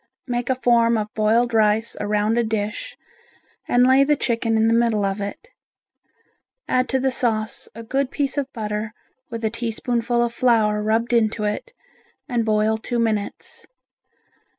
Make a form of boiled rice around a dish and lay the chicken in the middle of it. Add to the sauce a good piece of butter with a teaspoonful of flour rubbed into it and boil two minutes.